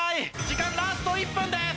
時間ラスト１分です。